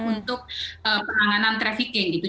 untuk penanganan trafficking gitu